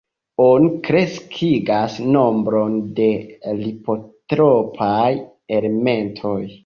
Oni kreskigas nombron de lipotropaj elementoj.